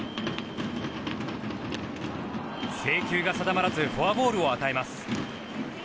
制球が定まらずフォアボールを与えます。